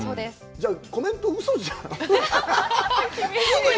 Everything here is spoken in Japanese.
じゃあ、コメントうそじゃん。